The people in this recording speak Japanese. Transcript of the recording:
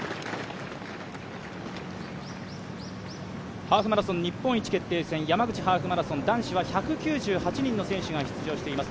ハーフマラソン日本一決定戦、山口循環ハーフマラソン、男子は１９８人の選手が出場しています。